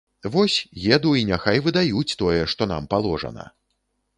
Вось, еду і няхай выдаюць тое, што нам паложана.